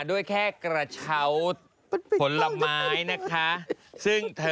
โยคะก็ไม่ได้เต้น